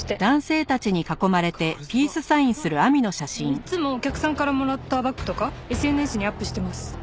いっつもお客さんからもらったバッグとかＳＮＳにアップしてます。